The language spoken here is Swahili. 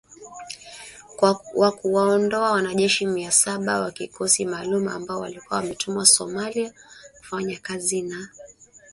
wa kuwaondoa wanajeshi mia saba wa kikosi maalum ambao walikuwa wametumwa Somalia kufanya kazi na